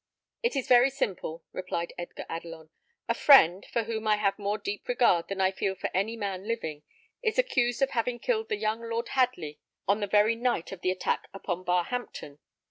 "It is very simple," replied Edgar Adelon. "A friend, for whom I have more deep regard than I feel for any man living, is accused of having killed the young Lord Hadley on the very night of the attack upon Barhampton.